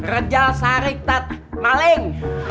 rejal sari tat maleng